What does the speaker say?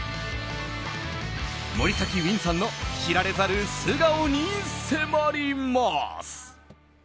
森崎ウィンさんの知られざる素顔に迫ります。